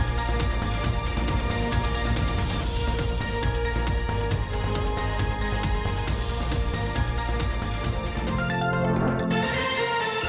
โปรดติดตามตอนต่อไป